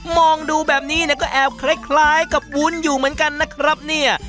มองดูแบบนี้เนี่ยก็แอบคล้ายกับวุ้นอยู่เหมือนกันนะครับเนี่ย